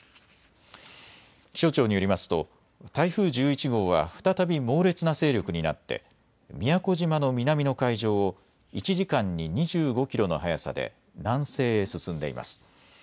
気象庁によりますと台風１１号は再び猛烈な勢力になって宮古島の南の海上を１時間に２５キロの速さで南西へ進んでいます。